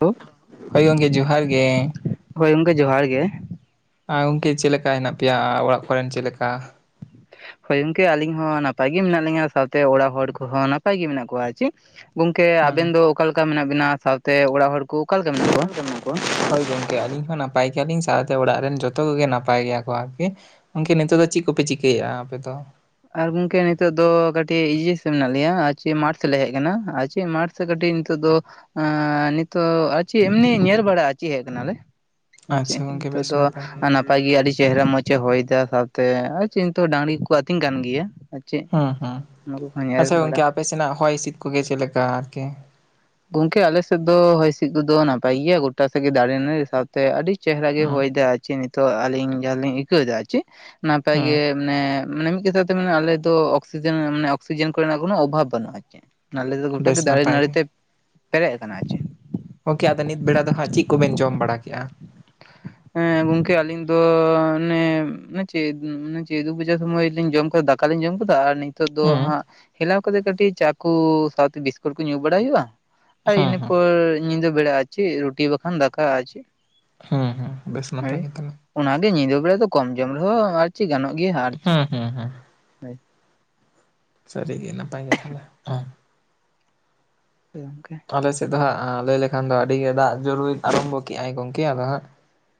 ᱦᱳᱭ [inaudible] ᱦᱳᱭ ᱜᱚᱝᱠᱮ ᱡᱚᱦᱟᱨ ᱜᱮ᱾ ᱦᱳᱭ ᱜᱚᱝᱠᱮ ᱡᱚᱦᱟᱨ ᱜᱮ᱾ ᱟᱨ ᱜᱚᱝᱠᱮ ᱪᱮᱜ ᱞᱮᱠᱟ ᱦᱮᱱᱟᱜ ᱯᱮᱭᱟ ᱚᱲᱟᱜ ᱠᱚᱨᱮᱱ ᱪᱮᱜ ᱞᱮᱠᱟ? ᱦᱳᱭ ᱜᱚᱝᱠᱮ ᱟᱹᱞᱤᱧ ᱦᱚᱸ ᱱᱟᱯᱟᱭ ᱜᱮ ᱢᱮᱱᱟᱜ ᱞᱤᱧᱟ ᱥᱟᱶᱛᱮ ᱚᱲᱟᱜ ᱦᱚᱲ ᱠᱚᱦᱚᱸ ᱱᱟᱯᱟᱭ ᱜᱮ ᱢᱮᱱᱟᱜ ᱠᱚᱣᱟ ᱪᱤ ᱜᱚᱝᱠᱮ ᱟᱵᱮᱱ ᱦᱮᱸ ᱫᱚ ᱚᱠᱟ ᱞᱮᱠᱟ ᱢᱮᱱᱟᱜ ᱵᱮᱱᱟ, ᱥᱟᱶᱛᱮ ᱚᱲᱟᱜ ᱦᱚᱲ ᱠᱩ ᱚᱠᱟ ᱞᱮᱠᱟ ᱢᱮᱱᱟᱜ ᱠᱚᱣᱟ? [inaudible] ᱦᱳᱭ ᱜᱚᱝᱠᱮ ᱟᱹᱞᱤᱧ ᱦᱚᱸ ᱱᱟᱯᱟᱭ ᱜᱮᱭᱟᱞᱤᱧ ᱥᱟᱶᱛᱮ ᱚᱲᱟᱜ ᱨᱮᱱ ᱡᱚᱛᱚ ᱠᱚᱜᱮ ᱱᱟᱯᱟᱭ ᱜᱮᱭᱟ ᱠᱚ ᱟᱨᱠᱤ᱾ ᱜᱚᱝᱠᱮ ᱱᱤᱛᱚᱜ ᱫᱚ ᱪᱤᱜ ᱠᱚᱯᱮ ᱪᱤᱠᱟᱹᱭᱮᱜ-ᱟ ᱟᱯᱮ ᱫᱚ? ᱟᱨ ᱜᱚᱝᱠᱮ ᱱᱤᱛᱚᱜ ᱫᱚ ᱠᱟᱴᱤᱡ ᱤᱭᱟᱹ ᱥᱮᱱ ᱢᱮᱱᱟᱜ ᱞᱮᱭᱟ ᱟᱨ ᱪᱮᱜ ᱢᱟᱴᱷ ᱥᱮᱜ ᱞᱮ ᱦᱮᱡ ᱠᱟᱱᱟ ᱟᱨ ᱪᱤᱜ ᱢᱟᱴᱷ? ᱥᱮ ᱠᱟᱹᱴᱤᱡ ᱱᱤᱛᱚᱜ ᱫᱚ ᱟᱸᱻ ᱱᱤᱛᱚᱜ ᱟᱨ ᱪᱤᱜ ᱮᱢᱱᱤ ᱧᱮᱞ ᱵᱟᱲᱟ ᱪᱮ ᱦᱮᱡ ᱠᱟᱱᱟᱞᱮ᱾ ᱟᱪᱪᱷᱟ ᱪᱮᱫ ᱜᱚᱝᱠᱮ ᱱᱤᱛᱚᱜ ᱵᱮᱥ ᱫᱚ ᱱᱟᱯᱟᱭ ᱜᱮ ᱦᱟᱱᱟ ᱯᱟᱭ ᱜᱤ ᱟᱹᱰᱤ ᱪᱮᱦᱨᱟ ᱢᱚᱡᱽ ᱮ ᱦᱚᱭ ᱫᱟ ᱥᱟᱶᱛᱮ ᱟᱨ ᱪᱤᱱᱛᱩ ᱰᱟᱝᱨᱤ ᱠᱚ ᱟᱹᱛᱤᱧ ᱠᱟᱱ ᱜᱤᱭᱟ᱾ ᱦᱩᱸ ᱦᱩᱸ, ᱟᱪᱪᱷᱟ ᱜᱚᱝᱠᱮ ᱟᱯᱮ ᱥᱮᱱᱟᱜ ᱦᱚᱭ ᱦᱤᱥᱤᱫ ᱠᱚᱜᱮ ᱪᱮᱜ ᱞᱮᱠᱟ ᱟᱨᱠᱤ? ᱜᱚᱝᱠᱮ ᱟᱞᱮᱥᱮᱫ ᱫᱚ ᱦᱚᱭ ᱦᱤᱥᱤᱫ ᱠᱚᱫᱚ ᱱᱟᱯᱟᱭ ᱜᱤᱭᱟ ᱜᱚᱴᱟ ᱥᱮᱜ ᱜᱮ ᱫᱟᱨᱮ ᱫᱟᱲᱮ ᱱᱟᱹᱲᱤ ᱥᱟᱶᱛᱮ ᱟᱹᱰᱤ ᱪᱮᱦᱨᱟ ᱜᱮ ᱦᱩᱸ ᱦᱚᱭ ᱫᱟ ᱟᱨ ᱪᱮᱱ ᱱᱤᱛᱚᱜ ᱟᱹᱞᱤᱧ ᱡᱟᱦᱟ ᱞᱤᱧ ᱟᱹᱭᱠᱟᱹᱣ ᱮᱫᱟ ᱟᱨ ᱪᱤᱜ ᱱᱟᱯᱟᱭ ᱜᱮ ᱦᱩᱸ ᱢᱟᱱᱮ ᱢᱟᱱᱮ ᱢᱤᱫ ᱠᱟᱛᱷᱟ ᱛᱮ ᱢᱟᱱᱮ ᱟᱞᱮ ᱫᱚ ᱚᱠᱥᱤᱡᱮᱱ ᱢᱟᱱᱮ ᱚᱠᱥᱤᱡᱮᱱ ᱠᱚᱨᱮᱱᱟᱜ ᱠᱳᱱᱳ ᱚᱵᱷᱟᱵᱽ ᱵᱟᱹᱱᱩᱜ-ᱟ ᱟᱨ ᱪᱮᱜ᱾ ᱟᱞᱮ ᱫᱚ ᱜᱚᱴᱟ ᱜᱮ ᱵᱮᱥ ᱫᱟᱨᱮ ᱱᱟᱯᱟᱭ ᱱᱟᱹᱲᱤ ᱜᱮ ᱛᱮ ᱯᱮᱨᱮᱡ ᱟᱠᱟᱱᱟ ᱪᱮ᱾ ᱜᱚᱝᱠᱮ ᱟᱫᱚ ᱱᱤᱛ ᱵᱮᱲᱟ ᱫᱚ ᱦᱟᱸᱜ ᱪᱤᱜ ᱠᱚᱵᱮᱱ ᱡᱚᱢ ᱵᱟᱲᱟ ᱠᱮᱜ-ᱟ? [unintelligible] ᱦᱮᱸ ᱜᱚᱝᱠᱮ ᱟᱹᱞᱤᱧ ᱫᱚ ᱚᱱᱮ ᱚᱱᱮ ᱪᱮᱫ ᱚᱱᱮ ᱪᱮᱫ ᱫᱩ ᱵᱟᱡᱟᱜ ᱥᱚᱢᱚᱭ ᱞᱤᱧ ᱡᱚᱢ ᱠᱟᱫᱟ ᱫᱟᱠ ᱠᱟ ᱞᱤᱧ ᱡᱚᱢ ᱠᱟᱫᱟ ᱟᱨ ᱱᱤᱛ ᱛᱚᱜ ᱫᱚ ᱦᱩᱸ ᱦᱟᱸᱜ ᱦᱮᱞᱟᱣ ᱠᱟᱛᱮ ᱠᱟᱹᱴᱤᱡ ᱪᱟ ᱠᱚ ᱥᱟᱶᱛᱮ ᱵᱤᱥᱠᱩᱴ ᱠᱚ ᱧᱩ ᱵᱟᱲᱟᱭ ᱦᱩᱭᱩᱜ-ᱟ, ᱾ ᱟᱨ ᱦᱩᱸ ᱦᱩᱸ ᱤᱱᱟᱹᱯᱚᱨ ᱧᱤᱫᱟᱹ ᱵᱮᱲᱟ ᱟᱨ ᱪᱮ ᱨᱩᱴᱤ ᱵᱟᱠᱷᱟᱱ ᱫᱟᱠᱟ ᱟᱨ ᱪᱮ᱾ ᱦᱩᱸ ᱦᱩᱸ ᱵᱮᱥ ᱱᱟᱯᱟᱭ ᱜᱮ ᱛᱟᱦᱞᱮ᱾ ᱚᱱᱟᱜᱮ ᱧᱤᱫᱟᱹ ᱵᱮᱲᱟ ᱫᱚ ᱠᱚᱢ ᱡᱚᱢ ᱨᱮᱦᱚᱸ ᱟᱨ ᱪᱮᱫ ᱜᱟᱱᱚᱜ ᱜᱮᱭᱟ ᱟᱨ ᱪᱮᱫ᱾ ᱦᱩᱸ ᱦᱩᱸ ᱦᱩᱸ ᱦᱳᱭ ᱥᱟᱹᱨᱤ ᱜᱮ ᱱᱟᱯᱟᱭ ᱜᱮ ᱛᱟᱦᱞᱮ᱾ ᱩᱸ ᱮ ᱜᱚᱝᱠᱮ ᱟᱞᱮ ᱥᱮᱫ ᱫᱚ ᱦᱟᱸᱜ ᱞᱟᱹᱭ ᱞᱮᱠᱷᱟᱱ ᱫᱚ ᱟᱹᱰᱤ ᱜᱮ ᱫᱟᱜ ᱡᱚᱨᱩᱭ ᱟᱨᱚᱢᱵᱷᱚ ᱠᱮᱜ-ᱟᱭ ᱜᱚᱝᱠᱮ ᱟᱫᱚ ᱦᱟᱸᱜ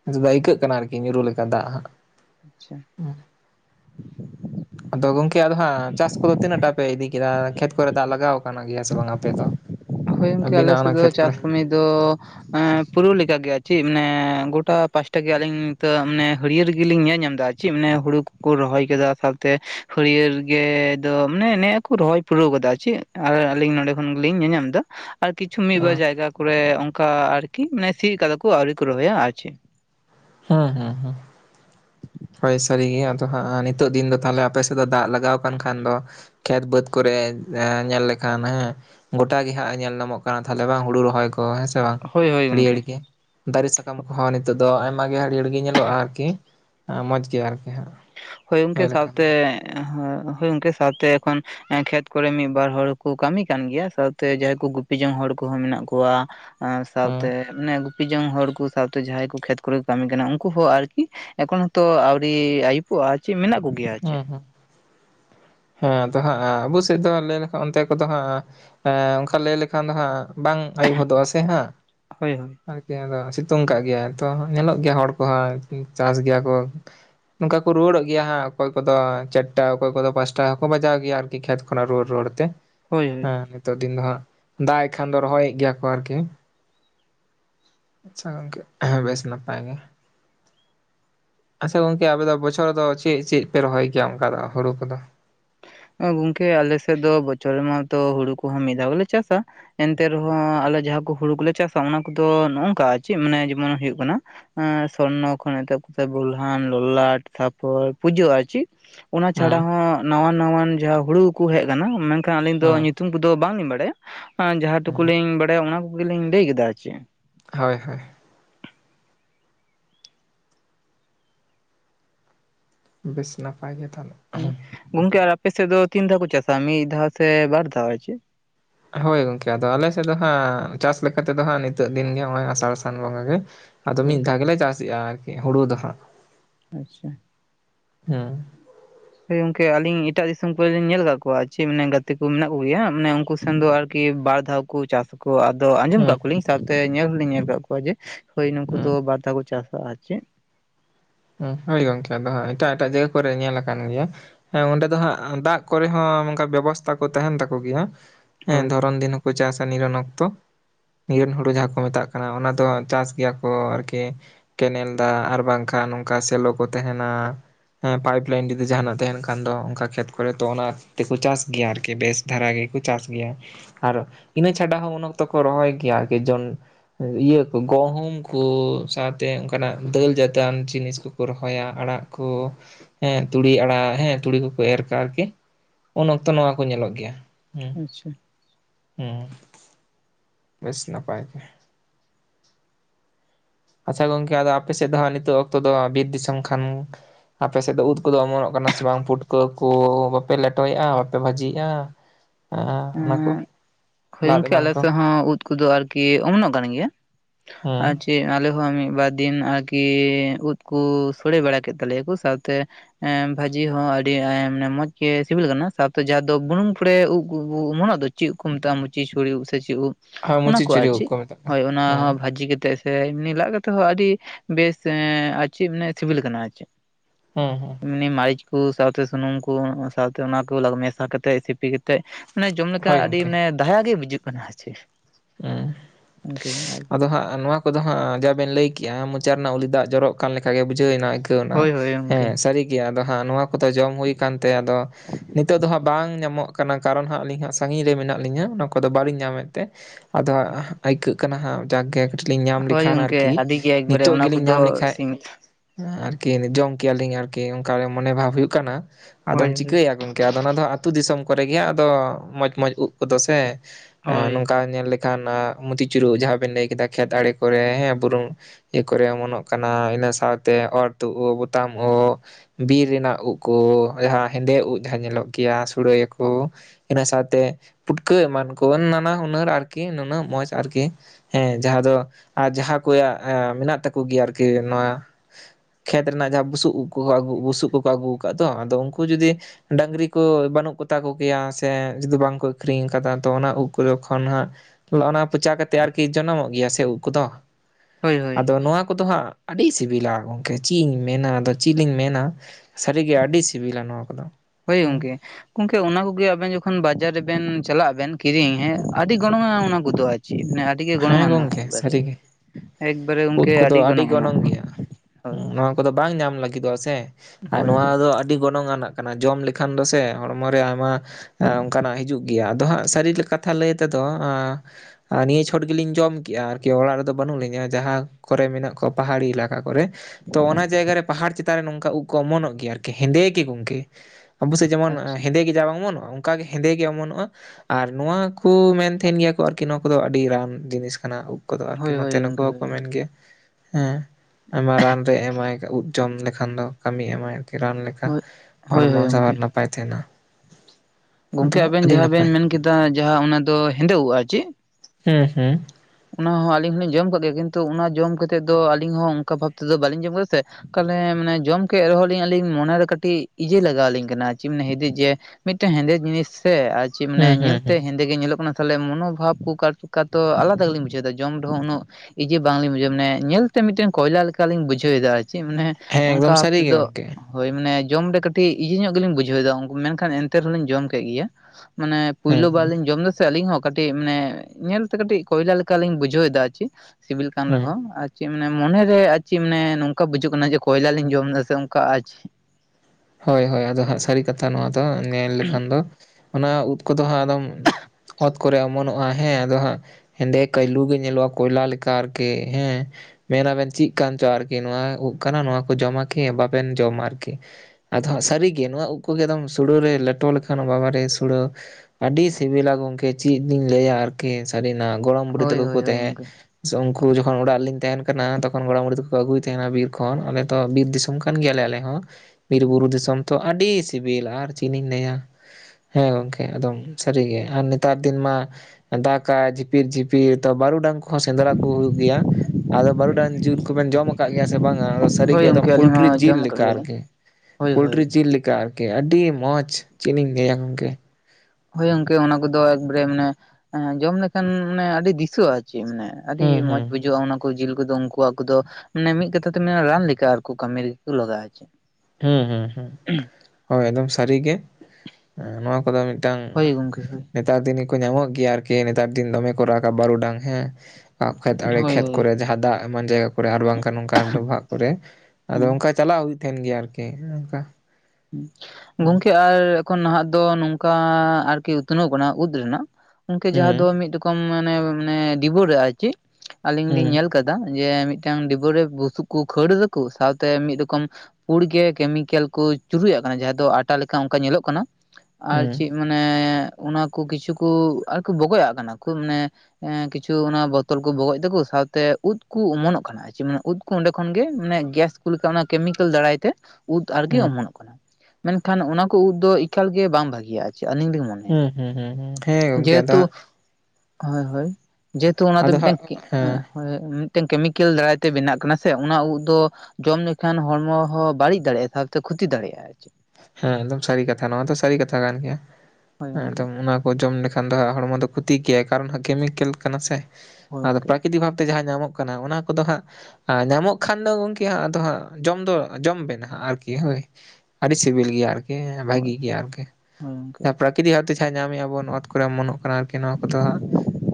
ᱱᱤᱛᱚᱜ ᱫᱚ ᱟᱹᱭᱠᱟᱹᱜ ᱠᱟᱱᱟ ᱟᱨᱠᱤ ᱧᱩᱨᱩ ᱞᱮᱠᱟ ᱫᱟᱜ ᱦᱟᱸᱜ᱾ ᱟᱪᱪᱷᱟ᱾ ᱦᱩᱸ᱾ ᱟᱫᱚ ᱜᱚᱝᱠᱮ ᱟᱫᱚ ᱦᱟᱸᱜ ᱪᱟᱥ ᱠᱚᱫᱚ ᱛᱤᱱᱟᱹᱜ ᱴᱟ ᱯᱮ ᱤᱫᱤ ᱠᱮᱫᱟ ᱠᱷᱮᱛ ᱠᱚᱨᱮ ᱫᱟᱜ ᱞᱟᱜᱟᱣ ᱟᱠᱟᱱᱟ ᱜᱮᱭᱟ ᱥᱮ ᱵᱟᱝ ᱟᱯᱮ ᱫᱚ? [unintelligible] ᱦᱳᱭ ᱜᱚᱝᱠᱮ ᱟᱵᱤᱱᱟᱜ ᱚᱱᱟ ᱟᱞᱮᱥᱮᱫ ᱫᱚ ᱠᱷᱮᱛ ᱠᱚᱨᱮ ᱪᱟᱥ ᱠᱟᱹᱢᱤ ᱫᱚ ᱮᱸ ᱯᱩᱨᱟᱹᱣ ᱞᱮᱠᱟ ᱜᱮ ᱟᱨ ᱪᱮᱫ ᱢᱟᱱᱮ ᱜᱚᱴᱟ ᱯᱟᱥᱴᱟ ᱜᱮ ᱟᱹᱞᱤᱧ ᱱᱤᱛᱚᱜ ᱢᱟᱱᱮ ᱦᱟᱹᱲᱭᱟᱹᱨ ᱜᱮᱞᱤᱧ ᱧᱮᱞ ᱧᱟᱢ ᱫᱟ ᱟᱨ ᱪᱮᱫ ᱢᱟᱱᱮ ᱦᱩᱲᱩ ᱠᱚᱠᱚ ᱨᱚᱦᱚᱭ ᱠᱟᱫᱟ ᱥᱟᱶᱛᱮ ᱦᱟᱹᱲᱭᱟᱹᱨ ᱜᱮ ᱫᱚ ᱢᱟᱱᱮ ᱱᱮᱜ-ᱮ ᱠᱚ ᱨᱚᱦᱚᱭ ᱯᱩᱨᱟᱹᱣ ᱠᱟᱫᱟ ᱟᱨ ᱪᱮᱫ ᱟᱨ ᱟᱹᱞᱤᱧ ᱱᱚᱰᱮ ᱠᱷᱚᱱ ᱜᱮᱞᱤᱧ ᱧᱮᱧᱟᱢ ᱫᱟ, ᱟᱨ ᱠᱤᱪᱷᱩ ᱢᱤᱫ ᱵᱟᱨ ᱦᱩᱸ ᱡᱟᱭᱜᱟ ᱠᱚᱨᱮ ᱚᱱᱠᱟ ᱟᱨᱠᱤ ᱢᱟᱱᱮ ᱥᱤᱭ ᱠᱟᱫᱟ ᱠᱚ ᱟᱹᱣᱨᱤ ᱠᱚ ᱨᱚᱦᱚᱭᱟ ᱟᱨ ᱪᱮ᱾ ᱦᱚᱸ ᱦᱚᱸ ᱦᱚᱸ ᱦᱳᱭ ᱥᱟᱹᱨᱤ ᱜᱮ ᱟᱫᱚ ᱦᱟᱸᱜ ᱱᱤᱛᱚᱜ ᱫᱤᱱ ᱫᱚ ᱛᱟᱦᱞᱮ ᱟᱯᱮ ᱥᱮᱫ ᱫᱚ ᱫᱟᱜ ᱞᱟᱜᱟᱣ ᱟᱠᱟᱱ ᱠᱷᱟᱱ ᱫᱚ ᱠᱷᱮᱛ ᱵᱟᱹᱫᱽ ᱠᱚᱨᱮ ᱮᱸ ᱧᱮᱞ ᱞᱮᱠᱷᱟᱱ ᱦᱮᱸ ᱜᱚᱴᱟ ᱜᱮ ᱦᱟᱸᱜ ᱧᱮᱞ ᱱᱟᱢᱚᱜ ᱠᱟᱱᱟ ᱛᱟᱦᱞᱮ ᱵᱟᱝ ᱦᱩᱲᱩ ᱨᱚᱦᱚᱭ ᱠᱚ ᱦᱮᱸᱥ ᱥᱮ ᱵᱟᱝ ᱦᱳᱭ ᱦᱳᱭ ᱦᱟᱹᱲᱭᱟᱹᱨ ᱜᱚᱝᱠᱮ ᱜᱮ, ᱫᱟᱨᱮ ᱥᱟᱠᱟᱢ ᱠᱚᱦᱚᱸ ᱱᱤᱛᱚᱜ ᱫᱚ ᱟᱭᱢ ᱢᱟ ᱜᱮ ᱦᱟᱹᱨᱭᱟᱹᱲ ᱜᱮ ᱧᱮᱞᱚᱜ-ᱟ ᱟᱨᱠᱤ ᱢᱚᱡᱽ ᱜᱮ ᱟᱨᱠᱤ ᱦᱟᱸᱜ᱾ ᱦᱳᱭ ᱜᱚᱝᱠᱮ ᱞᱟᱹᱭ ᱞᱮᱠᱷᱟᱱ ᱥᱟᱶᱛᱮ ᱫᱚ ᱦᱳ-ᱦᱳᱭ ᱜᱚᱝᱠᱮ ᱥᱟᱶᱛᱮ ᱮᱠᱷᱚᱱ ᱦᱮᱸ ᱠᱷᱮᱛ ᱠᱚᱨᱮ ᱢᱤᱫ ᱵᱟᱨ ᱦᱚᱲ ᱠᱚ ᱠᱟᱹᱢᱤ ᱠᱟᱱ ᱜᱮᱭᱟ ᱥᱟᱶᱛᱮ ᱡᱟᱦᱟᱸᱭ ᱠᱚ ᱜᱩᱯᱤ ᱡᱚᱝ ᱦᱚᱲ ᱠᱚᱦᱚᱸ ᱢᱮᱱᱟᱜ ᱠᱚᱣᱟ ᱟᱨ ᱥᱟᱶᱛᱮ ᱦᱮᱸ ᱚᱱᱮ ᱜᱩᱯᱤ ᱡᱚᱝ ᱦᱚᱲ ᱠᱚ ᱥᱟᱶᱛᱮ ᱡᱟᱦᱟᱸᱭ ᱠᱚ ᱠᱷᱮᱛ ᱠᱚᱨᱮ ᱠᱟᱹᱢᱤ ᱠᱟᱱᱟ ᱩᱱᱠᱩ ᱦᱚᱸ ᱟᱨᱠᱤ ᱮᱠᱷᱚᱱ ᱦᱚᱸᱛᱚ ᱟᱹᱣᱨᱤ ᱟᱭᱩᱯᱚᱜ-ᱟ ᱪᱮᱫ ᱢᱮᱱᱟᱜ ᱠᱚ ᱦᱩᱸ ᱦᱩᱸ ᱦᱮᱸ ᱛᱚ ᱦᱟᱸᱜ ᱟᱵᱚ ᱥᱮᱫ ᱫᱚ ᱞᱟᱹᱭ ᱞᱮᱠᱷᱟᱱ ᱚᱱᱛᱮ ᱠᱚᱫᱚ ᱦᱟᱸᱜ ᱮ ᱚᱱᱠᱟ ᱞᱟᱹᱭ ᱞᱮᱠᱷᱟᱱ ᱫᱚ ᱦᱟᱸᱜ ᱵᱟᱝ ᱟᱹᱭᱩᱵ ᱦᱚᱫᱚᱜ-ᱟ ᱥᱮ ᱦᱟᱸᱜ, ᱦᱳᱭ ᱦᱳᱭ ᱟᱨᱠᱤ ᱟᱫᱚ ᱥᱤᱛᱩᱝ ᱠᱟᱜ ᱜᱮᱭᱟᱭ ᱛᱚ ᱧᱮᱞᱚᱜ ᱜᱮᱭᱟ ᱦᱚᱲ ᱠᱚ ᱦᱚᱸ ᱟᱨᱠᱤ ᱪᱟᱥ ᱜᱮᱭᱟ ᱠᱚ ᱱᱚᱝᱠᱟ ᱠᱚ ᱨᱩᱭᱟᱹᱲᱚᱜ ᱜᱮᱭᱟ ᱦᱟᱸᱜ ᱚᱠᱚᱭ ᱠᱚᱫᱚ ᱪᱟᱨᱴᱟ ᱚᱠᱚᱭ ᱠᱚᱫᱚ ᱯᱟᱸᱪᱴᱟ ᱦᱚᱸ ᱠᱚ ᱵᱟᱡᱟᱣ ᱜᱮᱭᱟ ᱟᱨᱠᱤ ᱠᱷᱮᱛ ᱠᱷᱚᱱᱟᱜ ᱨᱩᱣᱟᱹᱲ ᱨᱩᱣᱟᱹᱲ ᱛᱮ᱾ ᱦᱳᱭ ᱦᱳᱭ ᱦᱮᱸ ᱱᱤᱛᱚᱜ ᱫᱤᱱ ᱫᱚ ᱦᱟᱸᱜ ᱫᱟᱜ ᱮ ᱠᱷᱟᱱ ᱫᱚ ᱨᱚᱦᱚᱭᱮᱫ ᱜᱮᱭᱟ ᱠᱚ ᱟᱨᱠᱤ᱾ ᱟᱪᱪᱷᱟ ᱜᱚᱝᱠᱮ ᱵᱮᱥ ᱱᱟᱯᱟᱭ ᱜᱮ᱾ ᱟᱪᱪᱷᱟ ᱜᱚᱝᱠᱮ ᱟᱯᱮ ᱫᱚ ᱵᱚᱪᱷᱚᱨ ᱨᱮᱫᱚ ᱪᱮᱫ ᱪᱮᱫ ᱯᱮ ᱨᱚᱦᱚᱭ ᱜᱮᱭᱟ ᱚᱱᱠᱟᱱᱟᱜ ᱦᱩᱲᱩ ᱠᱚᱫᱚ? ᱜᱚᱝᱠᱮ ᱟᱞᱮᱥᱮᱫ ᱫᱚ ᱵᱚᱪᱷᱚᱨ ᱨᱮᱢᱟᱛᱚ ᱦᱩᱲᱩ ᱠᱚᱦᱚᱸ ᱢᱤᱫ ᱫᱷᱟᱣ ᱜᱮᱞᱮ ᱪᱟᱥᱟ ᱮᱱᱛᱮ ᱨᱮᱦᱚᱸ ᱟᱞᱮ ᱡᱟᱦᱟᱸ ᱠᱚ ᱦᱩᱲᱩ ᱠᱚᱞᱮ ᱪᱟᱥᱟ ᱚᱱᱟ ᱠᱚᱫᱚ ᱱᱚᱝᱠᱟ ᱪᱮᱫ ᱢᱟᱱᱮ ᱡᱮᱢᱚᱱ ᱦᱩᱭᱩᱜ ᱠᱟᱱᱟ᱾ ᱦᱮ ᱥᱚᱨᱱᱚ ᱠᱷᱚᱱ ᱮᱛᱚᱵ ᱠᱟᱛᱮ ᱵᱩᱞᱦᱟᱱ ᱞᱚᱞᱞᱟᱴ [inaudible] ᱯᱩᱡᱟᱹᱜ ᱟᱨᱪᱤ ᱚᱱᱟ ᱪᱷᱟᱲᱟ ᱦᱮᱸ ᱦᱚᱸ ᱱᱟᱣᱟᱱ ᱱᱟᱣᱟᱱ ᱡᱟᱦᱟᱸ ᱦᱩᱲᱩ ᱠᱚ ᱦᱮᱡ ᱟᱠᱟᱱᱟ ᱢᱮᱱᱠᱷᱟᱱ ᱟᱹᱞᱤᱧ ᱫᱚ ᱦᱮᱸ ᱧᱩᱛᱩᱢ ᱠᱚᱫᱚ ᱵᱟᱝᱞᱤᱧ ᱵᱟᱲᱟᱭᱟ᱾ ᱡᱟᱦᱟᱸ ᱦᱮᱸ ᱴᱠᱩᱩᱞᱤᱧ ᱵᱟᱲᱟᱭᱟ ᱚᱱᱟ ᱠᱚᱜᱮᱞᱤᱧ ᱞᱟᱹᱭ ᱠᱮᱫᱟ ᱟᱨ ᱪᱮᱫ ᱦᱳᱭ ᱦᱳᱭ ᱵᱮᱥ ᱱᱟᱯᱟᱭ ᱜᱮ ᱛᱟᱞᱦᱮ᱾ ᱜᱚᱝᱠᱮ ᱟᱨ ᱟᱯᱮ ᱥᱮᱫ ᱫᱚ ᱛᱤᱱ ᱫᱷᱟᱣ ᱠᱚ ᱪᱟᱥᱟ ᱢᱤᱫ ᱫᱷᱟᱣ ᱥᱮ ᱵᱟᱨ ᱫᱷᱟᱣ ᱪᱮ? ᱦᱳᱭ ᱜᱚᱢᱠᱮ ᱟᱫᱚ ᱟᱞᱮ ᱥᱮᱫ ᱫᱚ ᱦᱟᱸᱜ ᱪᱟᱥ ᱞᱮᱠᱟ ᱛᱮᱫᱚ ᱦᱟᱸᱜ ᱱᱤᱛᱚᱜ ᱫᱤᱱ ᱜᱮ ᱱᱚᱜᱼᱚᱭ ᱟᱥᱟᱲ ᱥᱟᱱ ᱵᱚᱸᱜᱟ ᱜᱮ᱾ ᱟᱫᱚ ᱦᱳᱭ ᱢᱤᱫ ᱫᱷᱟᱣ ᱜᱮᱞᱮ ᱪᱟᱥᱮᱫᱼᱟ ᱟᱨᱠᱤ ᱦᱩᱲᱩ ᱫᱚ ᱦᱟᱸᱜ᱾ ᱟᱪᱪᱷᱟ᱾ ᱦᱩᱸ᱾ ᱦᱭ ᱜᱚᱝᱠᱮ ᱟᱞᱤᱧ ᱮᱴᱟᱜ ᱫᱤᱥᱚᱢ ᱠᱚᱨᱮᱞᱤᱧ ᱧᱮᱞ ᱟᱠᱟᱫ ᱠᱚᱣᱟ ᱪᱮᱫ ᱢᱟᱱᱮ ᱜᱟᱛᱮ ᱠᱚ ᱢᱮᱱᱟᱜ ᱠᱚᱜᱮᱭᱟ ᱢᱟᱱᱮ ᱩᱱᱠᱩ ᱥᱮᱱ ᱫᱚ ᱟᱨᱠᱤ ᱵᱟᱨ ᱫᱷᱟᱣ ᱠᱚ ᱪᱟᱥ ᱠᱚ ᱟᱫᱚ ᱟᱸᱡᱚᱢ ᱠᱟᱜ ᱦᱮᱸ ᱠᱚᱣᱟᱞᱤᱧ ᱥᱟᱶᱛᱮ ᱧᱮᱞ ᱦᱚᱸᱞᱤᱧ ᱧᱮᱞ ᱟᱠᱟᱫ ᱠᱚᱣᱟ ᱡᱮ ᱦᱳᱭ ᱱᱩᱠᱩ ᱦᱮᱸ ᱫᱚ ᱵᱟᱨ ᱫᱷᱟ ᱠᱚ ᱪᱟᱥᱟ ᱟᱨ ᱪᱮᱫ ᱦᱳᱭ ᱜᱚᱝᱠᱮ ᱟᱫᱚ ᱦᱟᱸᱜ ᱮᱴᱟᱜ ᱮᱴᱟᱜ ᱡᱟᱭᱜᱟ ᱠᱚᱨᱮ ᱧᱮᱞ ᱟᱠᱟᱱ ᱜᱮᱭᱟ᱾ ᱦᱮᱸ ᱚᱸᱰᱮ ᱫᱚ ᱦᱟᱸᱜ ᱫᱟᱜ ᱠᱚᱨᱮ ᱦᱚᱸ ᱚᱱᱠᱟ ᱵᱮᱵᱚᱥᱛᱷᱟ ᱠᱚ ᱛᱟᱦᱮᱱ ᱛᱟᱠᱚ ᱜᱮᱭᱟ ᱦᱮᱸ ᱦᱳᱭ ᱫᱷᱚᱨᱚᱱ ᱫᱤᱱ ᱠᱚ ᱪᱟᱥᱟ ᱱᱤᱨᱚᱱ ᱚᱠᱛᱚ᱾ ᱱᱤᱨᱮᱱ ᱦᱩᱲᱩ ᱡᱟᱦᱟᱸ ᱠᱚ ᱢᱮᱛᱟᱜ ᱠᱟᱱᱟ ᱚᱱᱟ ᱫᱚ ᱪᱟᱥ ᱜᱮᱭᱟ ᱠᱚ ᱟᱨᱠᱤ᱾ ᱠᱮᱱᱮᱞ ᱫᱟᱜ ᱟᱨ ᱵᱟᱝᱠᱷᱟᱱ ᱱᱚᱝᱠᱟ ᱥᱮᱞᱚ ᱠᱚ ᱛᱟᱦᱮᱱᱟ᱾ ᱦᱮᱸ ᱯᱟᱭᱤᱯ ᱞᱟᱭᱤᱱ ᱡᱩᱫᱤ ᱡᱟᱦᱟᱱᱟᱜ ᱛᱟᱦᱮᱱ ᱠᱷᱟᱱ ᱫᱚ ᱚᱱᱠᱟ ᱠᱷᱮᱛ ᱠᱚᱨᱮ ᱛᱚ ᱚᱱᱟ ᱛᱮᱠᱚ ᱪᱟᱥ ᱜᱮᱭᱟ ᱟᱨᱠᱤ ᱵᱮᱥ ᱫᱷᱟᱨᱟ ᱜᱮᱠᱚ ᱪᱟᱥ ᱜᱮᱭᱟ᱾ ᱟᱨ ᱤᱱᱟᱹ ᱪᱷᱟᱰᱟ ᱦᱚᱸ ᱩᱱ ᱚᱠᱛᱚ ᱠᱚ ᱨᱚᱦᱚᱭ ᱜᱮᱭᱟ ᱡᱚᱱ ᱤᱭᱟᱹ ᱠᱚ ᱜᱩᱦᱩᱢ ᱠᱩ ᱥᱟᱶᱛᱮ ᱚᱱᱠᱟᱱᱟᱜ ᱫᱟᱹᱞ ᱡᱟᱛᱟᱱ ᱡᱤᱱᱤᱥ᱾ ᱠᱚ ᱨᱚᱦᱚᱭᱟ ᱟᱲᱟᱜ ᱠᱚ ᱦᱮᱸ ᱛᱩᱲᱤ ᱟᱲᱟᱜ ᱦᱮᱸ ᱛᱩᱲᱤ ᱠᱚᱠᱚ ᱮᱨ ᱠᱟᱜᱼᱟ ᱟᱨᱠᱤ᱾ ᱩᱱ ᱚᱠᱛᱚ ᱱᱚᱣᱟ ᱠᱚ ᱧᱮᱞᱚᱜ ᱜᱮᱭᱟ᱾ ᱦᱩᱸ ᱟᱪᱪᱷᱟ ᱦᱮᱸ ᱵᱮᱥ ᱱᱟᱯᱟᱭ ᱜᱮ᱾ ᱟᱪᱪᱷᱟ ᱜᱚᱝᱠᱮ ᱟᱫᱚ ᱟᱯᱮ ᱥᱮᱫ ᱫᱚ ᱦᱟᱸᱜ ᱱᱤᱛᱚᱜ ᱚᱠᱛᱚ ᱫᱚ ᱵᱤᱨᱫᱤᱥᱚᱢ ᱠᱷᱟᱱ ᱟᱯᱮᱥᱮᱫ ᱫᱚ ᱩᱫ ᱠᱚᱫᱚ ᱚᱢᱚᱱᱚᱜ ᱠᱟᱱᱟ ᱥᱮ ᱵᱟᱝ ᱯᱷᱩᱴᱠᱟᱹ ᱠᱚ ᱵᱟᱯᱮ ᱞᱮᱴᱚᱭᱮᱫᱼᱟ ᱵᱟᱯᱮ ᱵᱷᱟᱹᱡᱤᱭᱮᱫᱼᱟ᱾ ᱟ ᱚᱱᱟ ᱠᱚ ᱮᱸ ᱦᱳᱭ ᱞᱟᱫ ᱜᱚᱝᱠᱮ ᱮᱢᱟᱱ ᱟᱞᱮ ᱠᱚ ᱥᱮᱫ ᱦᱚᱸ ᱩᱫ ᱠᱚᱫᱚ ᱟᱨᱠᱤ ᱚᱢᱚᱱᱚᱜ ᱠᱟᱱ ᱜᱮᱭᱟ ᱦᱮᱸ ᱟᱡ ᱟᱞᱮ ᱦᱚᱸ ᱢᱤᱫ ᱵᱟᱨ ᱫᱤᱱ ᱟᱨᱠᱤ ᱩᱫ ᱠᱚ ᱥᱳᱚᱲᱮ ᱵᱟᱲᱟ ᱠᱮᱫ ᱛᱟᱞᱮᱭᱟᱠᱚ, ᱥᱟᱶᱛᱮ ᱵᱷᱟᱹᱡᱤ ᱦᱚᱸ ᱟᱹᱰᱤ ᱢᱚᱸᱡᱽᱜᱤ ᱥᱤᱵᱤᱞ ᱟᱠᱟᱱᱟ ᱥᱟᱣᱛᱮ ᱡᱟᱦᱟᱸ ᱫᱚ ᱵᱩᱞᱩᱝ ᱯᱷᱚᱨᱮ ᱩᱵ ᱠᱚ ᱠᱚ ᱚᱢᱚᱱᱚᱜ ᱫᱚ ᱪᱮᱫ ᱠᱚ ᱢᱮᱛᱟᱜᱼᱟ ᱢᱩᱪᱤ ᱪᱷᱩᱲᱤ ᱩᱵ ᱥᱮ ᱪᱮᱫ ᱩᱫ ᱦᱳᱭ ᱚᱱᱟ ᱢᱩᱪᱤ ᱠᱚ ᱟᱨ ᱪᱩᱨᱤ ᱩᱫ ᱪᱮᱫ ᱢᱮᱛᱟᱜ ᱠᱟᱱᱟ ᱦᱳᱭ ᱚᱱᱟ ᱦᱮᱸ ᱦᱚᱸ ᱵᱷᱟᱹᱡᱤ ᱠᱟᱛᱮᱫ ᱥᱮ ᱮᱢᱱᱤ ᱞᱟᱫ ᱠᱟᱛᱮ ᱦᱚᱸ ᱟᱹᱰᱤ ᱵᱮᱥ ᱟᱨ ᱪᱮᱫ ᱢᱟᱱᱮ ᱥᱤᱵᱤᱞ ᱠᱟᱱᱟ ᱟᱨ ᱪᱮᱫ᱾ ᱦᱮᱸ ᱦᱮᱸ᱾ ᱮᱢᱱᱤ ᱢᱟᱹᱨᱤᱪ ᱠᱚ ᱥᱟᱶᱛᱮ ᱥᱩᱱᱩᱢ ᱠᱚ ᱥᱟᱶᱛᱮ ᱚᱱᱟ ᱠᱚ ᱢᱮᱥᱟ ᱠᱟᱛᱮᱫ ᱥᱤᱯᱤ ᱠᱟᱛᱮᱫ ᱢᱟᱱᱮ ᱡᱚᱢ ᱞᱮᱠᱷᱟᱱ ᱦᱳᱭ ᱟᱹᱰᱤ ᱜᱚᱝᱠᱮ ᱢᱟᱱᱮ ᱫᱟᱭᱟ ᱜᱮ ᱵᱩᱡᱩᱜ ᱠᱟᱱᱟ ᱟᱨ ᱪᱮᱫ᱾ ᱜᱚᱝᱠᱮ ᱟᱫᱚ ᱦᱟᱸᱜ ᱱᱚᱣᱟ ᱠᱚᱫᱚ ᱦᱟᱸᱜ ᱡᱟᱵᱮᱱ ᱞᱟᱹᱭ ᱠᱮᱫᱮᱜᱼᱟ ᱢᱚᱪᱟ ᱨᱮᱱᱟᱜ ᱩᱞᱤ ᱫᱟᱜ ᱡᱚᱨᱚᱜ ᱠᱟᱱ ᱞᱮᱠᱟᱜᱮ ᱵᱩᱡᱷᱟᱹᱣ ᱮᱱᱟ᱾ [unintelligible] ᱱᱟ ᱦᱳᱭ ᱦᱳᱭ ᱜᱚᱝᱠᱮ ᱦᱮᱸ ᱥᱟᱹᱨᱤ ᱜᱮ ᱟᱫᱚ ᱦᱟᱸᱜ ᱱᱚᱶᱟ ᱠᱚᱫᱚ ᱡᱚᱢ ᱦᱩᱭ ᱟᱠᱟᱱ ᱛᱮᱭ ᱟᱫᱚ ᱱᱤᱛᱚᱜ ᱫᱚ ᱦᱟᱸᱜ ᱵᱟᱝ ᱧᱟᱢᱚᱜ ᱠᱟᱱᱟ ᱠᱟᱨᱚᱱ ᱦᱟᱸᱜ ᱟᱹᱞᱤᱧ ᱦᱟᱸᱜ ᱥᱟᱺᱜᱤᱧ ᱨᱮ ᱢᱮᱱᱟᱜ ᱞᱤᱧᱟᱹ ᱱᱚᱣᱟ ᱠᱚᱫᱚ ᱵᱟᱟᱹᱞᱤᱧ ᱧᱟᱢᱮᱫ ᱛᱮ ᱟᱫᱚ ᱦᱟᱸᱜ ᱟᱹᱭᱠᱟᱹᱜ ᱠᱟᱱᱟᱜ ᱦᱟᱸᱜ ᱡᱟᱜᱜᱮ ᱠᱟᱹᱴᱤᱡ ᱞᱤᱧ ᱧᱟᱢ ᱦᱳᱭ ᱞᱮᱠᱷᱟᱱ ᱟᱨᱠᱤ ᱜᱚᱝᱠᱮ ᱟᱹᱰᱤ ᱜᱮ ᱮᱠᱵᱟᱨᱮ ᱱᱤᱛᱚᱜ ᱚᱱᱟ ᱜᱮᱞᱤᱧ ᱧᱟᱢ ᱠᱚᱫᱚ ᱞᱮᱠᱷᱟᱡ ᱥᱤᱢᱤᱛ ᱟᱨᱠᱤ ᱡᱚᱢ ᱠᱮᱭᱟᱞᱤᱧ ᱟᱨᱠᱤ ᱚᱱᱠᱟᱜᱮ ᱢᱚᱱᱮ ᱵᱷᱟᱵ ᱦᱩᱭᱩᱜ ᱠᱟᱱᱟ ᱟᱫᱚᱢ ᱦᱳᱭ ᱦᱳᱭ ᱪᱤᱠᱟᱹᱭᱟ ᱜᱚᱝ ᱟᱫᱚ ᱚᱱᱟ ᱫᱚ ᱟᱹᱛᱩ ᱫᱤᱥᱚᱢ ᱠᱚᱨᱮ ᱜᱮ ᱦᱟᱸᱜ ᱟᱫᱚ ᱢᱚᱸᱡᱽ ᱢᱚᱸᱡᱽ ᱩᱵ ᱠᱚᱫᱚ ᱥᱮ ᱦᱳᱭ ᱱᱚᱝᱠᱟ ᱧᱮᱞ ᱠᱷᱟᱱ ᱟᱜ ᱢᱩᱛᱤᱪᱩᱨᱩ ᱡᱟᱦᱟᱸ ᱵᱮᱱ ᱞᱟᱹᱭ ᱠᱮᱫᱟ ᱠᱷᱮᱛ ᱟᱲᱮ ᱠᱚᱨᱮ ᱦᱮᱸ ᱵᱩᱨᱩ ᱤᱭᱟᱹ ᱠᱚᱨᱮ ᱚᱢᱚᱱᱚᱜ ᱠᱟᱱᱟ ᱤᱱᱟᱹ ᱥᱟᱶᱛᱮ ᱚᱨ ᱛᱩᱫ ᱵᱳᱛᱟᱢ ᱩ ᱵᱤᱨ ᱨᱮᱱᱟᱜ ᱩᱵ ᱠᱚ ᱡᱟᱦᱟᱸ ᱦᱮᱸᱫᱮ ᱩᱵ ᱡᱟᱦᱟᱸ ᱧᱮᱞᱚᱜ ᱜᱮᱭᱟ ᱥᱩᱲᱮᱭᱟᱠᱚ ᱤᱱᱟᱹ ᱥᱟᱶᱛᱮ ᱯᱩᱴᱠᱟᱹ ᱮᱢᱟᱱ ᱠᱚ ᱱᱟᱱᱟ ᱦᱩᱱᱟᱹᱨ ᱟᱨᱠᱤ ᱱᱩᱱᱟᱹᱜ ᱢᱚᱸᱡᱽ ᱟᱨᱠᱤ ᱦᱮᱸ ᱡᱟᱦᱟᱸ ᱫᱚ ᱟᱨ ᱡᱟᱦᱟᱸ ᱠᱚᱭᱟᱜ ᱢᱮᱱᱟᱜ ᱛᱟᱠᱚ ᱜᱮᱭᱟ ᱟᱨᱠᱤ ᱱᱚᱣᱟ᱾ ᱠᱷᱮᱛ ᱨᱮᱱᱟᱜ ᱡᱟᱦᱟᱸ ᱵᱩᱥᱩᱵ ᱠᱚᱠᱚ ᱵᱩᱥᱩᱵ ᱠᱚᱠᱚ ᱟᱹᱜᱩ ᱟᱠᱟᱫ ᱫᱚ ᱟᱫᱚ ᱩᱱᱠᱩ ᱡᱩᱫᱤ ᱰᱟᱹᱝᱨᱤ ᱠᱚ ᱵᱟᱹᱱᱩᱜ ᱠᱚᱛᱟ ᱠᱚᱜᱮᱭᱟ ᱥᱮ ᱡᱩᱫᱤ ᱵᱟᱝᱠᱚ ᱟᱹᱠᱷᱨᱤᱧ ᱠᱟᱫᱟ ᱛᱚ ᱚᱱᱟ ᱩᱵ ᱠᱚ ᱠᱷᱚᱱ ᱦᱟᱸᱜ ᱚᱱᱟ ᱯᱚᱪᱟ ᱠᱟᱛᱮᱮᱫ ᱟᱨᱠᱤ ᱡᱚᱱᱚᱢᱚᱜ ᱜᱮᱭᱟ ᱥᱮ ᱩᱵ ᱠᱚᱫᱚ ᱦᱳᱭ ᱦᱳᱭ ᱟᱫᱚ ᱱᱚᱣᱟ ᱠᱚᱫᱚ ᱦᱟᱸᱜ ᱟᱹᱰᱤ ᱥᱤᱵᱤᱞᱟ ᱜᱚᱝᱠᱮ ᱪᱮᱫ ᱤᱧ ᱢᱮᱱᱟ ᱟᱫᱚ ᱪᱤᱫᱤᱧ ᱢᱮᱱᱟ ᱥᱟᱹᱨᱤᱜᱮ ᱟᱹᱰᱤ ᱥᱤᱵᱤᱞᱟ ᱱᱚᱣᱟ ᱠᱚᱫᱚ᱾ ᱦᱳᱭ ᱜᱚᱝᱠᱮ, ᱜᱚᱝᱠᱮ ᱚᱱᱟ ᱠᱚᱜᱮ ᱟᱵᱮᱱ ᱡᱚᱠᱷᱚᱱ ᱵᱟᱡᱟᱨ ᱨᱮᱵᱮᱱ ᱪᱟᱞᱟᱜ ᱟᱵᱮᱱ ᱠᱤᱨᱤᱧ ᱟᱹᱰᱤ ᱜᱚᱱᱚᱝ-ᱟ ᱚᱱᱟ ᱠᱚᱫᱚ ᱟᱨ ᱪᱮᱫ, ᱟᱰᱤ ᱜᱮ ᱦᱮᱸ ᱜᱚᱱᱝᱟᱱᱟ ᱜᱚᱝᱠᱮ ᱥᱟᱹᱨᱤᱜᱮ ᱮᱵᱟᱨᱮ ᱩᱫ ᱠᱚᱫᱚ ᱟᱹᱰᱤ ᱜᱚᱱᱚᱝ ᱜᱮᱭᱟ᱾ ᱦᱳᱭ ᱱᱚᱣᱟ ᱠᱚᱫᱚ ᱵᱟᱝ ᱧᱟᱢ ᱞᱟᱹᱜᱤᱫᱚᱜᱼᱟ ᱥᱮ ᱟᱨ ᱦᱳᱭ ᱱᱚᱣᱟ ᱦᱳᱭ ᱫᱚ ᱟᱹᱰᱤ ᱜᱚᱱᱚᱝ ᱟᱱᱟᱜ ᱠᱟᱱᱟ ᱡᱚᱢ ᱞᱮᱠᱷᱟᱱ ᱫᱚ ᱥᱮ ᱦᱚᱲᱢᱚ ᱨᱮ ᱟᱭᱢᱟ ᱚᱱᱠᱟ ᱱᱟᱜ ᱦᱤᱡᱩᱜ ᱜᱮᱭᱟ ᱟᱫᱚ ᱦᱟᱸᱜ ᱥᱟᱹᱨᱤ ᱠᱟᱛᱷᱟ ᱞᱟᱹᱭ ᱛᱮᱫᱚ ᱟᱨ ᱱᱤᱭᱟᱹ ᱪᱷᱚᱴ ᱜᱮᱞᱤᱧ ᱡᱚᱢ ᱠᱮᱜᱼᱟ ᱟᱨᱠᱤ ᱚᱲᱟᱜ ᱨᱮᱫᱚ ᱵᱟᱹᱱᱩᱜ ᱞᱤᱧᱟ, ᱡᱟᱦᱟᱸ ᱠᱚᱨᱮ ᱢᱮᱱᱟᱜ ᱠᱚᱣᱟ ᱯᱟᱦᱟᱲᱤ ᱮᱞᱟᱠᱟ ᱠᱚᱨᱮ, ᱛᱚ ᱚᱱᱟ ᱡᱟᱭᱜᱟ ᱨᱮ ᱯᱟᱦᱟᱲ ᱪᱮᱛᱟᱱ ᱨᱮ ᱱᱚᱝᱠᱟ ᱩᱵ ᱠᱚ ᱚᱢᱚᱱᱚᱜ ᱜᱮᱭᱟ ᱟᱨᱠᱤ ᱦᱮᱸᱫᱮ ᱜᱮ ᱜᱚᱢᱠᱮ᱾ ᱟᱵᱚ ᱥᱮᱫ ᱡᱮᱢᱚᱱ ᱟᱪᱪᱷᱟ ᱦᱮᱸᱫᱮ ᱜᱮ [inaudible] ᱚᱱᱢᱚᱱᱚᱜᱼᱟ ᱚᱱᱠᱟᱜ ᱜᱮ ᱦᱮᱸᱫᱮ ᱜᱮ ᱚᱢᱚᱱᱚᱜᱼᱟ᱾ ᱟᱨ ᱱᱚᱣᱟ ᱠᱚ ᱢᱮᱱ ᱛᱟᱦᱮᱱ ᱜᱮᱭᱟ ᱠᱚ ᱟᱨᱠᱤ ᱱᱚᱣᱟ ᱠᱚᱫᱚ ᱟᱹᱰᱤ ᱨᱟᱱ ᱡᱤᱱᱤᱥ ᱠᱟᱱᱟ ᱩᱵ ᱠᱚᱫᱚ ᱟᱨᱠᱤ ᱦᱳᱭ ᱱᱚᱛᱮ ᱦᱳᱭ ᱱᱩᱠᱩ ᱜᱚᱝᱠᱮ ᱜᱮ ᱦᱮᱸ ᱟᱭᱢᱟ ᱨᱟᱱ ᱨᱮ ᱮᱢᱟᱭ ᱩᱵ ᱡᱚᱢ ᱞᱮᱠᱷᱟᱱ ᱫᱚ ᱠᱟᱹᱢᱤᱭ ᱮᱢᱟᱭ ᱟᱨᱠᱤ ᱨᱟᱱ ᱞᱮᱠᱟ ᱦᱳᱭ ᱦᱳᱭ ᱦᱚᱲᱢᱚ ᱦᱳᱭ ᱥᱟᱶᱟᱦᱟᱨ ᱜᱚᱝᱠᱮ ᱱᱟᱯᱟᱭ ᱛᱟᱦᱮᱱᱟ᱾ ᱜᱚᱝᱠᱮ ᱟᱫᱚ ᱟᱵᱮᱱ ᱟᱹᱰᱤ ᱡᱟᱦᱟᱸ ᱵᱮᱮᱱ ᱱᱟᱯᱟᱭ ᱢᱮᱱᱠᱟ ᱡᱟᱦᱟᱸ ᱚᱱᱟ ᱫᱚ ᱦᱮᱸᱫᱮᱚᱜᱼᱟ ᱪᱮᱫ ᱦᱩᱸ ᱦᱩᱸ ᱚᱱᱟ ᱦᱚᱸ ᱟᱞᱤᱧ ᱦᱚᱞᱤᱧ ᱡᱚᱢ ᱟᱠᱟᱟᱜ ᱜᱮᱭᱟ ᱠᱤᱱᱛᱩ ᱚᱱᱟ ᱡᱚᱢ ᱠᱟᱛᱮᱫ ᱫᱚ ᱟᱞᱤᱧ ᱦᱚᱸ ᱚᱱᱠᱟ ᱵᱷᱟᱵ ᱛᱮᱫᱚ ᱵᱟᱞᱤᱧ ᱡᱚᱢ ᱠᱮᱫᱟ ᱥᱮ, ᱛᱟᱦᱚᱞᱮ ᱢᱟᱱᱮ ᱡᱚᱢ ᱠᱮᱫ ᱨᱮᱦᱚᱸ ᱞᱤᱧ ᱟᱹᱞᱤᱧ ᱢᱚᱱᱮᱨᱮ ᱠᱟᱹᱴᱤᱡ ᱤᱭᱟᱹ ᱞᱟᱜᱟᱣ ᱟᱞᱤᱧ ᱠᱟᱱᱟ ᱪᱮᱫᱮ ᱦᱫᱤᱡ ᱡᱮ ᱢᱤᱫᱴᱮᱱ ᱦᱮᱸᱫᱮ ᱡᱤᱱᱤᱥ ᱥᱮ ᱪᱮᱫ ᱢᱟᱱᱮ ᱦᱩᱸ ᱦᱩᱸ ᱧᱮᱞᱛᱮ ᱦᱩᱸ ᱦᱮᱸᱫᱮ ᱜᱮ ᱧᱮᱞᱚᱜ ᱠᱟᱱᱟ ᱛᱟᱦᱚᱞᱮ ᱢᱚᱱᱳᱵᱷᱟᱵᱽ [inaudible] ᱛᱚ ᱟᱞᱟᱫᱟ ᱞᱤᱧ ᱵᱩᱡᱷᱟᱹᱣᱟ ᱡᱚᱢ ᱨᱮᱦᱚᱸ ᱩᱱᱟᱹᱜ ᱤᱭᱟᱹ ᱵᱟᱝᱞᱤ ᱵᱩᱡᱷᱣ ᱢᱟᱱᱮ ᱧᱮᱞ ᱢᱤᱫᱴᱮᱱ ᱠᱚᱞᱟ ᱞᱮᱠᱟᱞᱤᱧ ᱵᱩᱡᱷᱣ ᱮᱫᱟ ᱟᱨ- ᱪᱮᱫ ᱢᱟᱱᱮ ᱦᱮᱸ ᱚᱱᱠᱟ ᱮᱠᱫᱚᱢ ᱵᱷᱟᱵ ᱥᱟᱹᱨᱤ ᱜᱮ ᱛᱮᱫᱚ ᱜᱚᱝᱠᱮ ᱦᱳᱭ ᱢᱟᱱᱮ ᱡᱚᱢ ᱨᱮ ᱠᱟᱹᱴᱤᱡ ᱤᱭᱟᱹ ᱧᱚᱜ ᱜᱮᱞᱤᱧ ᱵᱩᱡᱷᱟᱹᱣ ᱮᱟ ᱢᱮᱱᱠᱷᱟᱱ ᱮᱱᱛᱮ ᱨᱮᱦᱚᱸᱞᱤᱧ ᱡᱚᱢ ᱠᱮᱫ ᱜᱮᱭᱟ᱾ ᱢᱟᱱᱮ ᱦᱮᱸ ᱯᱩᱭᱞᱳ ᱵᱟᱨ ᱦᱮᱸ ᱞᱤᱧ ᱡᱚᱢ ᱮᱫᱟᱥᱮ ᱟᱞᱤᱧ ᱦᱚᱸ ᱠᱟᱹᱴᱤᱡ ᱢᱟᱱᱮ ᱧᱮᱞ ᱛᱮ ᱠᱟᱹᱴᱤᱡ ᱠᱚᱭᱞᱟ ᱞᱮᱠᱟᱞᱤᱤᱧ ᱵᱩᱡᱷᱟᱹᱣ ᱮᱫᱟ ᱟᱨ ᱪᱮᱫ ᱥᱤᱵᱤᱞ ᱠᱟᱱ ᱦᱮᱸ ᱨᱮᱦᱚᱸ ᱪᱮᱫ ᱢᱟᱱᱮ ᱢᱚᱱᱮᱨᱮ ᱟᱨ ᱪᱮᱫ ᱢᱟᱱᱮ ᱱᱚᱝᱠᱟ ᱵᱩᱡᱩᱜ ᱠᱟᱱᱟ ᱡᱮ ᱠᱚᱭᱞᱟ ᱞᱤᱧ ᱡᱚᱢ ᱮᱫᱟ ᱥᱮ ᱚᱱᱠᱟ ᱟᱪ ᱦᱳᱭ ᱦᱳᱭ ᱟᱫᱚ ᱦᱟᱸᱜ ᱥᱟᱹᱨᱤ ᱠᱟᱛᱷᱟ ᱱᱚᱣᱟ ᱫᱚ ᱧᱮᱞ ᱞᱮᱠᱷᱟᱱ ᱫᱚ ᱚᱱᱟ ᱩᱫ ᱠᱚᱫᱚ ᱦᱟᱸᱜ ᱟᱫᱚᱢ ᱚᱛ ᱠᱚᱨᱮ ᱚᱢᱚᱱᱚᱜᱼᱟ ᱦᱮᱸ ᱟᱫᱚ ᱦᱟᱸᱜ ᱦᱮᱸᱫᱮ ᱠᱟᱹᱭᱞᱩ ᱜᱮ ᱧᱮᱞᱚᱜᱼᱟ ᱠᱚᱭᱞᱟ ᱞᱮᱠᱟ ᱟᱨᱠᱤ ᱦᱮᱸ, ᱢᱮ ᱟᱵᱤᱱ ᱪᱮᱫ ᱠᱟᱱ ᱪᱚ ᱟᱨᱠᱤ ᱱᱚᱣᱟ ᱩᱵ ᱠᱟᱱᱟ ᱱᱚᱣᱟ ᱠᱚ ᱡᱚᱢᱟ ᱠᱤ ᱵᱟᱵᱮᱱ ᱡᱚᱢᱟ ᱟᱨᱠᱤ᱾ ᱟᱫᱚ ᱦᱳᱭ ᱦᱟᱸᱜ ᱥᱟᱹᱨᱤᱜᱮ ᱱᱚᱣᱟ ᱩᱵ ᱠᱩᱜᱮ ᱮᱫᱚᱢ ᱥᱩᱲᱟᱹ ᱨᱮ ᱞᱮᱴᱚ ᱞᱮᱠᱷᱟᱱ ᱵᱟᱵᱟᱨᱮ ᱥᱩᱲᱟᱹ ᱟᱹᱰᱤ ᱥᱤᱵᱤᱞᱟ ᱜᱚᱢᱠᱮ ᱪᱮᱫ ᱞᱤᱧ ᱞᱟᱹᱭᱟ ᱟᱨᱠᱤ ᱥᱟᱹᱨᱤᱱᱟᱜ ᱜᱚᱲᱚᱢ ᱵᱩᱰᱦᱤ ᱛᱟᱠᱚ ᱠᱚ ᱦᱳᱭ ᱦᱳᱭ ᱛᱟᱦᱮᱸᱜ ᱜᱚᱝᱠᱮ ᱩᱱᱠᱩ ᱡᱚᱠᱷᱚᱱ ᱚᱲᱟᱜ ᱨᱮᱞᱤᱧ ᱛᱟᱦᱮᱱ ᱠᱟᱱᱟ ᱛᱚᱠᱷᱚᱱ ᱜᱚᱲᱚᱢᱵᱩᱰᱦᱤ ᱛᱮᱠᱚ ᱟᱹᱜᱩᱭᱮᱫ ᱛᱟᱦᱮᱱᱟ ᱵᱤᱨ ᱠᱷᱚᱱ ᱟᱞᱮ ᱛᱚ ᱵᱤᱨ ᱫᱤᱥᱚᱢ ᱠᱟᱱᱟ, ᱠᱟᱱ ᱜᱮᱭᱟᱞᱮ ᱟᱞᱮ ᱦᱚᱸ ᱵᱤᱨᱼᱵᱩᱨᱩ ᱫᱤᱥᱚᱢ ᱛᱚ ᱟᱹᱰᱤ ᱥᱤᱵᱤᱞ ᱟᱨ ᱪᱮᱫᱞᱤᱧ ᱞᱟᱹᱭᱟ᱾ ᱦᱮᱸ ᱜᱚᱢᱠᱮ ᱮᱠᱫᱚᱢ ᱥᱟᱹᱨᱤᱜᱮ ᱟᱨ ᱱᱮᱛᱟᱨ ᱫᱤᱱ ᱢᱟ ᱫᱟᱜ ᱟᱭ ᱡᱷᱤᱯᱤᱨ ᱡᱷᱤᱯᱤᱨ ᱛᱚ ᱵᱟᱹᱨᱩᱰᱟᱝ ᱠᱚᱦᱚᱸ ᱥᱮᱸᱫᱽᱨᱟ ᱠᱚ ᱦᱩᱭᱩᱜ ᱜᱮᱭᱟ᱾ ᱟᱫᱚ ᱵᱟᱨᱩᱰᱟᱝ ᱡᱤᱞ ᱠᱚᱵᱮᱱ ᱡᱚᱢ ᱟᱠᱟᱫ ᱜᱮᱭᱟ ᱥᱮ ᱵᱟᱝ ᱟᱫᱚ ᱦᱳᱭ ᱥᱟᱹᱨᱤᱜᱮ ᱮᱠᱫᱚᱢ ᱜᱚᱝᱠᱮ ᱟᱹᱞᱤᱧ ᱯᱳᱚᱞᱴᱨᱤ ᱦᱚᱸ ᱡᱤᱞ ᱡᱚᱢ ᱟᱠᱟᱫ ᱞᱮᱠᱟ ᱜᱮᱭᱟᱞᱤᱧ ᱟᱨᱠᱤ᱾ ᱦᱳᱭ ᱦᱳᱭ ᱯᱳᱚᱞᱴᱨᱤ ᱡᱤᱞ ᱞᱮᱠᱟ ᱟᱨᱠᱤ ᱟᱹᱰᱤ ᱢᱚᱸᱡᱽ ᱪᱮᱫ ᱞᱤᱧ ᱞᱟᱹᱭᱟ ᱜᱚᱢᱠᱮ᱾ ᱦᱳᱭ ᱜᱚᱝᱠᱮ ᱚᱱᱟ ᱠᱚᱫᱚ ᱮᱠᱵᱟᱨᱮ ᱢᱟᱱᱮ ᱦᱮᱸ ᱡᱚᱢ ᱞᱮᱠᱷᱟᱱ ᱢᱟᱱᱮ ᱟᱹᱰᱤ ᱫᱤᱥᱟᱹᱜᱼᱟ ᱟᱨ ᱪᱮᱫ ᱢᱟᱱᱮ ᱟᱹᱰᱤ ᱦᱩᱸ ᱢᱚᱸᱡᱽ ᱦᱩᱸ ᱵᱩᱡᱷᱟᱹᱜᱼᱟ ᱚᱱᱟ ᱡᱤᱞ ᱠᱚᱫᱚ ᱩᱱᱠᱩᱣᱟᱜ ᱠᱚᱫᱚ ᱢᱟᱱᱮ ᱢᱤᱫ ᱠᱟᱛᱷᱟ ᱛᱮ ᱢᱮᱱᱟ ᱨᱟᱱ ᱞᱮᱠᱟ ᱟᱨ ᱠᱟᱹᱢᱤ ᱨᱮᱜᱮ ᱠᱚ ᱞᱟᱜᱟᱜᱼᱟ ᱪᱮᱫ ᱦᱮᱸ ᱦᱩᱸ ᱦᱸ ᱦᱳᱭ ᱮᱠᱫᱚᱢ ᱥᱟᱹᱨᱤ ᱜᱮ ᱮᱸ ᱱᱚᱣᱟ ᱠᱚᱫᱚ ᱢᱤᱫᱴᱟᱝᱼᱼ ᱦᱳᱭ ᱜᱚᱝᱠᱮ ᱦᱳᱭ ᱱᱮᱛᱟᱨ ᱫᱤᱱ ᱜᱮᱠᱚ ᱧᱟᱢᱚᱜ ᱜᱮᱭᱟ ᱟᱨᱠᱤ ᱱᱮᱛᱟᱨ ᱫᱤᱱ ᱫᱚᱢᱮ ᱠᱚ ᱨᱟᱜᱟ ᱵᱟᱨᱩ ᱰᱟᱝ ᱦᱮᱸ ᱠᱷᱮᱛ ᱟᱲᱮ ᱦᱳᱭ ᱠᱷᱮᱛ ᱦᱳᱭ ᱠᱚᱨᱮ ᱡᱟᱦᱟᱸ ᱫᱟᱜ ᱮᱢᱟᱱ ᱡᱟᱭᱜᱟ ᱠᱚᱨᱮ ᱟᱨ ᱵᱟᱝᱠᱷᱟᱱ ᱱᱚᱚᱱᱠᱟ ᱰᱚᱵᱷᱟᱜ ᱠᱚᱨᱮ ᱟᱫᱚ ᱦᱩᱸ ᱚᱱᱠᱟ ᱪᱟᱞᱞᱟᱣ ᱦᱩᱭᱩᱜ ᱛᱟᱦᱮᱱ ᱜᱮᱭᱟ ᱟᱨᱠᱤ ᱚᱱᱠᱟ᱾ ᱦᱩᱸ ᱜᱚᱢᱠᱮ ᱟᱨᱼᱼ ᱠᱷᱚᱱ ᱱᱟᱦᱟᱜ ᱫᱚ ᱱᱚᱝᱠᱟ ᱟᱨᱠᱤ ᱩᱛᱱᱟᱹᱣ ᱠᱟᱱᱟ ᱩᱫ ᱨᱮᱱᱟᱜ ᱚᱝᱠᱮ ᱡᱟᱦᱟᱸ ᱦᱩᱸ ᱫᱚ ᱢᱤᱫᱼᱼ ᱟᱱ ᱰᱤᱵᱨᱼᱟ ᱟᱨ ᱪ ᱟᱞᱤᱧ ᱞᱧ ᱦᱩᱸ ᱧᱮᱞᱼᱼ ᱟᱠᱟᱫᱟ ᱡᱮ ᱢᱤᱫᱴᱟᱝ ᱰᱤᱵᱟᱹᱨᱮ ᱵᱩᱥᱩᱵ ᱠᱚ ᱠᱷᱟᱹᱲ ᱫᱫᱟᱠᱚ ᱥᱟᱶᱛᱮ ᱢᱤᱫ ᱨᱚᱠᱚᱢᱼᱼ ᱯᱩᱲᱜᱮ ᱠᱮᱢᱤᱠᱮᱞ ᱠᱚ ᱪᱩᱨᱩᱡᱟᱜ ᱠᱟᱱᱟ ᱡᱟᱦᱟᱸ ᱫᱚ ᱟᱴᱟ ᱞᱮᱠᱟ ᱚᱱᱠᱟ ᱧᱮᱞᱚᱜ ᱠᱟᱱᱟ ᱟᱨ ᱦᱩᱸ ᱪᱮᱼᱼ ᱢᱟᱱᱮ ᱚᱱᱟ ᱠᱚ ᱠᱤᱪᱷᱩᱠᱩ ᱟᱨ ᱠᱚ ᱵᱚᱜᱚᱡᱜ ᱠᱟᱱᱟ ᱠᱚ ᱢᱟᱱᱮᱼᱼ ᱮ ᱠᱤᱪᱷᱩ ᱚᱱᱟ ᱵᱳᱛᱚᱞ ᱠᱚ ᱠᱩ ᱵᱚᱜᱚᱡ ᱛᱟᱠᱚ ᱥᱟᱶᱛᱮ ᱩᱫᱠᱩ ᱚᱢᱚᱱᱚᱜ ᱠᱟᱱᱟ᱾ ᱟᱨ ᱪᱮ ᱩᱫ ᱠᱚ ᱚᱸᱰᱮ ᱠᱷᱚᱱᱜᱮ ᱢᱮ ᱜᱮᱥ ᱠᱚ ᱞᱮᱠᱟ ᱚᱱᱟ ᱠᱮᱢᱤᱠᱮᱞ ᱫᱟᱨᱟᱭᱛᱮᱼᱼ ᱩᱫ ᱟᱨᱜᱤ ᱦᱩᱸ ᱚᱢᱚᱱᱚᱜ ᱠᱟᱱᱟ ᱢᱮᱱᱠᱷᱟᱱ ᱚᱱᱟ ᱠᱚ ᱩᱫ ᱫᱚ ᱮᱠᱟᱞ ᱜᱮ ᱵᱟᱝ ᱵᱷᱟᱜᱮᱼᱟ ᱪᱮᱫ ᱟᱹᱞᱤᱧ ᱞᱤᱧ ᱢᱚᱱᱮᱼᱼ ᱦᱩᱸ ᱦᱩᱸ ᱦᱩᱸ ᱦᱩᱸ ᱦᱮᱸ ᱜᱚᱝᱠᱮ ᱟᱫᱚᱼᱼ ᱦᱳᱭ ᱦᱳᱭ ᱡᱮᱦᱮᱛᱩ ᱚᱱᱟ ᱫᱚ ᱟᱫᱚ ᱦᱟᱸᱜ ᱢᱤᱫᱴᱟᱝ ᱦᱮᱸ ᱦᱳᱭᱼᱼ ᱢᱤᱫᱴᱮᱱ ᱠᱮᱢᱤᱠᱮᱞ ᱫᱟᱨᱟᱭ ᱛᱮ ᱵᱮᱱᱟᱜ ᱠᱟᱱᱟ ᱥᱮ ᱚᱱᱟ ᱩᱵ ᱫᱚᱼᱼ ᱡᱚᱢ ᱞᱮᱠᱷᱟᱱ ᱦᱚᱲᱢᱚ ᱦᱚᱸ ᱵᱟᱹᱲᱤᱡ ᱫᱟᱲᱮᱭᱟᱜᱼᱟ ᱥᱟᱶᱛᱮ ᱠᱷᱩᱚᱛᱤ ᱫᱟᱲᱮᱭᱟᱜᱼᱟ ᱟᱨ᱾ ᱦᱮᱸ ᱮᱠᱫᱚᱢ ᱥᱟᱹᱨᱤ ᱠᱟᱛᱷᱟ ᱱᱚᱣᱟ ᱫᱚ ᱥᱟᱹᱨᱤ ᱠᱟᱛᱷᱟ ᱠᱟᱱ ᱜᱮᱭᱟ ᱦᱳᱭ ᱜᱚᱝᱠᱮ ᱮᱠᱫᱚᱢ ᱚᱱᱟᱼᱼ ᱠᱚ ᱡᱚᱢ ᱞᱮᱠᱷᱟᱱ ᱫᱚ ᱦᱟᱸᱜ ᱦᱚᱲᱢᱚ ᱫᱚ ᱠᱷᱚᱛᱤ ᱜᱮᱭᱟ ᱠᱟᱨᱚᱱ ᱦ ᱠᱮᱢᱤᱠᱮᱞ ᱠᱟᱱᱟ ᱥᱮᱼᱼ ᱦᱳᱭ ᱟᱫᱚ ᱜᱚᱝᱠᱮ ᱯᱨᱟᱠᱨᱤᱛᱤᱠ ᱵᱷᱟᱵᱛᱮ ᱡᱟᱦᱟᱸ ᱧᱟᱢᱚᱜ ᱠᱟᱱᱟ ᱚᱱᱟ ᱠᱚᱫᱚ ᱦᱟᱸᱜ ᱟᱨ ᱧᱟᱢᱚᱜ ᱠᱷᱟᱱ ᱫᱚ ᱜᱚᱢᱠᱮ ᱟᱫᱚ ᱦᱟᱸᱜ ᱡᱚᱢ ᱫᱚ ᱡᱚᱢ ᱵᱮ ᱦᱟᱸᱜ ᱟᱨᱠᱤ ᱦᱳᱭ᱾ ᱟᱹᱰᱤ ᱥᱤᱵᱤᱞ ᱜᱮᱭᱟ ᱟᱨᱠᱤ ᱦᱳᱭ ᱵᱷᱟᱹᱜᱤ ᱜᱮᱭᱟ ᱟᱨᱠᱤ᱾ ᱦᱳᱭ ᱜᱚᱝᱠᱮ ᱯᱨᱟᱠᱨᱤᱤᱛᱤᱠ ᱵᱷᱟᱵᱛᱮ ᱡᱟᱦᱟᱸ ᱧᱟᱢᱮᱫᱼᱟᱵ ᱱᱚᱣᱟ ᱠᱚᱨᱮ ᱢᱚᱱᱚᱜ ᱠᱟᱱᱟ ᱟᱨᱠᱤ ᱱᱚᱣᱟ ᱠᱚᱫᱚᱼᱼ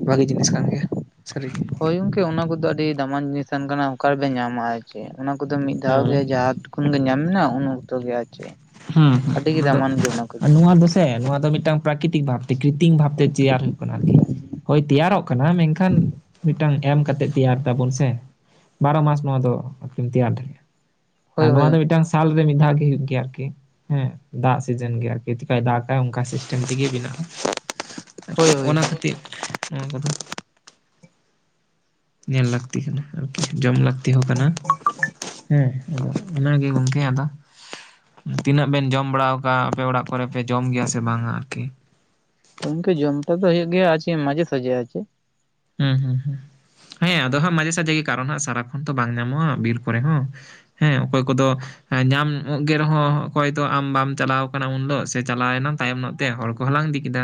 ᱵᱷᱟᱜᱮ ᱡᱤᱱᱤᱥ ᱠᱟᱱ ᱜᱮᱭᱟ ᱥᱟᱹᱨᱤ ᱜᱮᱼᱼ ᱦᱳᱭ ᱜᱚᱝᱠᱮ ᱚᱱᱟ ᱠᱚᱫᱚ ᱟᱹᱰᱤ ᱫᱟᱢᱟᱱ ᱡᱤᱱᱤᱥ ᱛᱟᱦᱮ ᱠᱟᱱᱟ ᱚᱠᱟᱨᱮᱯᱮ ᱧᱟᱢᱟ ᱟᱨ ᱪᱮᱫ ᱚᱱᱟ ᱠᱚᱫᱚ ᱢᱤᱫ ᱫᱷᱟᱣ ᱜᱮ ᱦᱮᱸ ᱡᱟᱛᱼᱼ ᱚᱠᱷᱜᱮ ᱧᱟᱢᱱᱟ ᱩᱱ ᱚᱠᱛᱚ ᱜᱮ ᱟᱨ ᱪᱮᱫ᱾ ᱦᱮᱸ ᱦᱮᱸ ᱟᱹᱰᱤ ᱜᱮ ᱚᱱᱟ ᱫᱚ ᱫᱟᱢᱟᱱ ᱜᱮᱭᱟ ᱚᱱᱟ ᱠᱚᱫᱚ ᱱᱚᱣᱟ ᱫᱚᱼᱼ ᱦᱮᱸ ᱱᱚᱣᱟ ᱫᱚ ᱢᱤᱫᱴᱟᱝ ᱯᱨᱟᱠᱨᱤᱛᱤᱠ ᱵᱷᱟᱵᱛᱮ ᱠᱨᱤᱛᱤᱠ ᱵᱷᱟᱵᱛᱮ ᱛᱮᱭᱟᱨ ᱦᱩᱭᱩᱜ ᱠᱟᱱᱟ ᱟᱨᱠᱤ᱾ ᱦᱳᱭ ᱛᱮᱭᱟᱨᱚᱜ ᱠᱟᱱᱟ ᱢᱮᱱᱠᱷᱟᱱ ᱢᱤᱫᱴᱟᱝ ᱮᱢ ᱠᱟᱛᱮᱜ ᱛᱮᱭᱟᱨ ᱛᱟᱵᱚᱱ ᱥᱮ᱾ ᱵᱟᱨᱚ ᱢᱟᱥ ᱱᱚᱣᱟ ᱫᱚ ᱟᱨᱠᱤᱢ ᱛᱮᱭᱟᱨ ᱫᱟᱲᱮᱭᱟᱜᱼᱟ ᱦᱳᱭ ᱟᱨ ᱦᱳᱭ ᱱᱚᱣᱟ ᱫᱚ ᱢᱤᱫᱴᱟᱝ ᱥᱟᱞ ᱨᱮ ᱢᱤᱫ ᱫᱷᱟᱣ ᱜᱮ ᱦᱳᱭᱳᱜ ᱜᱮᱭᱟ ᱟᱨᱠᱤ᱾ ᱦᱮᱸ ᱫᱟᱜ ᱥᱤᱡᱮᱱ ᱜᱮ ᱟᱨᱠᱤ ᱪᱤᱠᱟᱭ ᱫᱟᱜᱟᱭ ᱚᱱᱠᱟ ᱥᱤᱥᱴᱮᱢ ᱛᱮᱜᱮ ᱵᱮᱱᱟᱜᱼᱟ᱾ ᱦᱳᱭ ᱦᱳᱭ ᱚᱱᱟ ᱠᱷᱟᱹᱛᱤᱨ ᱱᱚᱣᱟ ᱠᱚᱫᱚ᱾ ᱧᱮᱞ ᱞᱟᱹᱠᱛᱤ ᱠᱟᱱᱟ ᱟᱨᱠᱤ ᱡᱚᱢ ᱞᱟᱹᱠᱛᱤ ᱦᱚᱸ ᱠᱟᱱᱟ᱾ ᱦᱮᱸ ᱟᱫᱚ ᱚᱱᱟᱜᱮ ᱜᱚᱢᱠᱮ ᱟᱫᱚ ᱛᱤᱱᱟᱹᱜ ᱵᱮᱱ ᱡᱚᱢ ᱵᱟᱲᱟ ᱟᱠᱟᱫᱼᱟ ᱟᱯᱮ ᱚᱲᱟᱜ ᱠᱚᱨᱮ ᱯᱮ ᱡᱚᱢ ᱜᱮᱭᱟ ᱥᱮ ᱵᱟᱝᱟ ᱟᱨᱠᱤ᱾ ᱤᱱᱠᱟᱹ ᱡᱚᱢᱴᱟ ᱫᱚ ᱦᱩᱭᱩᱜᱳ ᱜᱮᱭᱟ ᱟᱨᱮ ᱢᱟᱡᱷᱮ ᱥᱟᱡᱷᱮ ᱟᱨ ᱪᱮ᱾ ᱦᱩᱸ ᱦᱩᱸ ᱦᱮᱸ ᱟᱫᱚ ᱦᱟᱸᱜ ᱢᱟᱡᱷᱮ ᱥᱟᱡᱷᱮ ᱜᱮ ᱠᱟᱨᱚᱱ ᱦᱜ ᱥᱟᱨᱟᱠᱷᱚᱱ ᱛᱚ ᱵᱟᱝ ᱧᱟᱢᱚᱜᱼᱟ ᱵᱤᱨ ᱠᱚᱨᱮ ᱦᱚᱸ ᱦᱮᱸ ᱚᱠᱚᱭ ᱠᱚᱫᱚᱼᱼ ᱧᱟᱢᱚᱜ ᱜᱮ ᱨᱮᱦᱚᱸ ᱚᱠᱚᱭ ᱫᱚ ᱟᱢ ᱵᱟᱢ ᱪᱟᱞᱟᱣ ᱠᱟᱱᱟ ᱩᱱ ᱦᱳᱜ ᱥᱮ ᱪᱟᱞᱟᱣᱱᱟ ᱛᱟᱭᱚᱢᱚᱜᱼᱼ ᱛ ᱦᱚᱲ ᱠᱚᱚᱸᱞᱟᱝ ᱤᱫᱤ ᱠᱮᱫᱟ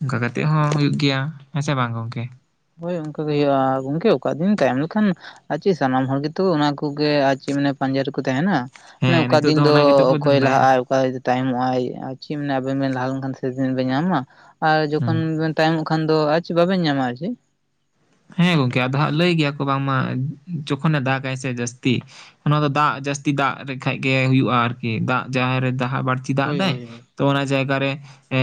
ᱚᱱᱠᱟ ᱠᱟᱛᱮᱮᱫ ᱦᱚᱸ ᱦᱩᱭᱩᱜ ᱜᱮᱭᱟ ᱦᱮᱸ ᱥᱮᱮ ᱵᱟᱝ ᱜᱚᱝᱠᱮ? ᱦᱳᱭ ᱚᱱᱠᱟᱟᱜ ᱜᱮ ᱦᱩᱭᱩᱜᱳᱜᱼᱟ ᱜᱚᱝᱠᱮ ᱚᱠᱟ ᱫᱤᱱ ᱛᱟᱭᱚᱢ ᱞᱮᱠᱷᱟᱱ᱾ ᱟᱨ ᱪᱮᱫ ᱥᱟᱱᱟᱢ ᱦᱚᱲ ᱜᱮᱛᱚ ᱚᱱᱟ ᱠᱚᱜᱮ ᱟᱨ ᱪᱮᱫ ᱢᱟᱱᱮ ᱯᱟᱸᱡᱟ ᱨᱮᱠᱚ ᱛᱟᱦᱮᱱᱟ᱾ ᱢᱟᱱᱮ ᱦᱮᱸ ᱚᱠᱟ ᱱᱤᱛᱚᱜ ᱫᱤᱱ ᱫᱚ ᱚᱱᱟ ᱜᱮᱛᱚ ᱠᱚ ᱚᱠᱚᱭ ᱫᱷᱟᱱᱫᱟᱭᱟ ᱞᱟᱦᱟᱜᱼᱟ ᱚᱠᱟ᱾ ᱛᱟᱭᱚᱢᱚᱜ ᱟᱭ, ᱟᱨ ᱪᱮᱫ ᱢᱮ, ᱟᱵᱮᱱ ᱵᱮᱱ, ᱞᱟᱦᱟ ᱞᱮᱱᱠᱷᱟᱱ, ᱥᱮ ᱫᱤᱱ ᱵᱮᱱ, ᱧᱟᱢᱟ, ᱟᱨ ᱡᱚᱠᱷᱚᱱ, ᱦᱮᱸ ᱵᱤᱱ ᱛᱟᱭᱚᱢᱚᱜ ᱠᱷᱟᱱ ᱫᱚ, ᱟᱨ ᱪᱮᱫ? ᱵᱟᱵᱮᱱ ᱧᱟᱢᱟ, ᱟᱨ ᱪᱮᱫ? ᱦᱮᱸ, ᱜᱚᱝᱠᱮ! ᱟᱫᱚ ᱦᱟᱸᱜ, ᱞᱟᱹᱭ ᱜᱮᱭᱟ ᱠᱚ, ᱵᱟᱝ ᱢᱟ ᱡᱚᱠᱷᱚᱱᱮ, ᱫᱟᱜᱟᱭ ᱥᱮ, ᱡᱟᱹᱥᱛᱤ ᱚᱱᱟ ᱫᱚ, ᱫᱟᱜ ᱡᱟᱹᱥᱛᱤ ᱫᱟᱜ ᱞᱮᱠᱷᱟᱡ ᱜᱮ, ᱦᱩᱭᱩᱜᱼᱟ ᱟᱨᱠᱤ, ᱫᱟᱜ ᱡᱟᱦᱟᱸᱨᱮ, ᱫᱟᱜ ᱦᱟᱸᱜ ᱵᱟᱹᱲᱛᱤ ᱫᱟᱜ ᱦᱳᱭ ᱮᱫᱟᱭ, ᱦᱳᱭ ᱛᱚ, ᱚᱱᱟ ᱡᱟᱭᱜᱟ ᱨᱮ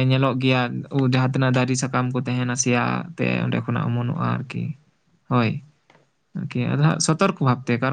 ᱧᱮᱞᱚᱜ ᱜᱮᱭᱟ, ᱚᱻ ᱡᱟᱦᱟᱸ ᱛᱤᱱᱟᱹᱜ, ᱫᱟᱨᱮ ᱥᱟᱠᱟᱢ ᱠᱚ, ᱛᱟᱦᱮᱱᱟ, ᱥᱮᱭᱟ ᱦᱟᱜ ᱛᱮ, ᱚᱸᱰᱮ ᱠᱷᱚᱱᱟᱜ ᱚᱢᱚᱱᱚᱜᱼᱟ ᱾ ᱟᱨ ᱠᱤ, ᱦᱚᱭ, ᱟᱨᱠᱤ ᱟᱫᱚ, ᱥᱚᱛᱚᱨᱠ ᱵᱷᱟᱵ ᱛᱮ, ᱠᱟᱨᱚ